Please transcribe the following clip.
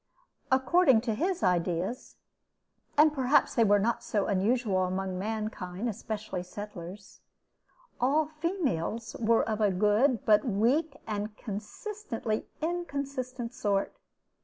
According to his ideas (and perhaps they were not so unusual among mankind, especially settlers), all "females" were of a good but weak and consistently inconsistent sort.